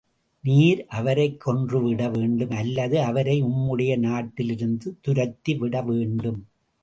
நீர் அவரைக் கொன்று விட வேண்டும் அல்லது அவரை உம்முடைய நாட்டிலிருந்து துரத்தி விட வேண்டும்.